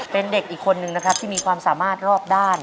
เป็นเด็กอีกคนนึงนะครับที่มีความสามารถรอบด้าน